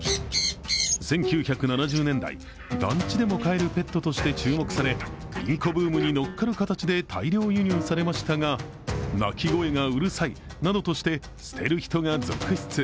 １９７０年代、団地でも飼えるペットとして注目されインコブームに乗っかる形で大量輸入されましたが鳴き声がうるさいなどとして捨てる人が続出。